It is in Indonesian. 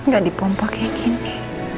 ga di pompo kayak gini